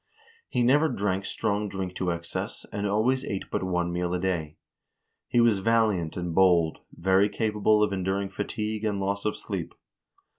He never drank strong drink to excess, and always ate but one meal a day. He was valiant and bold, very capable of enduring fatigue and loss of sleep."